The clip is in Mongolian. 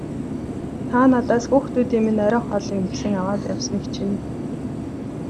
Та надаас хүүхдүүдийн минь оройн хоолыг мэхлэн аваад явсныг чинь.